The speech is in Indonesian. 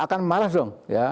akan marah dong ya